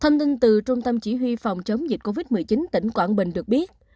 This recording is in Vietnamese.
thông tin từ trung tâm chỉ huy phòng chống dịch covid một mươi chín tỉnh quảng bình được biết